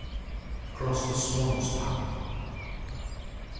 ACROSS THE SWAN'S PATH.